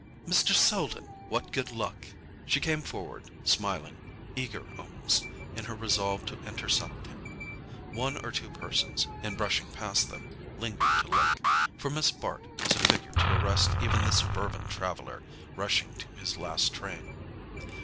"Mr. Selden—what good luck!" She came forward smiling, eager almost, in her resolve to intercept him. One or two persons, in brushing past them, lingered to look; for Miss Bart was a figure to arrest even the suburban traveller rushing to his last train.